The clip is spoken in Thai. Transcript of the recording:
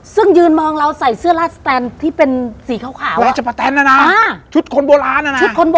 ซึ่งยืนมองเราใส่เสื้อลาดสแตนที่เป็นสีขาว